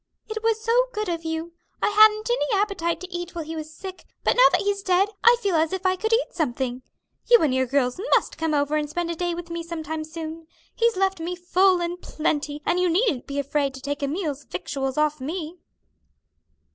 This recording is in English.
'It was so good of you. I hadn't any appetite to eat while he was sick, but now that he's dead, I feel as if I could eat something. You and your girls must come over and spend a day with me some time soon. He's left me full and plenty, and you needn't be afraid to take a meal's victuals off me'!"